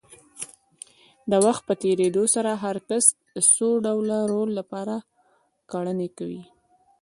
د وخت په تېرېدو سره هر کس د څو ډوله رول لپاره کړنې کوي.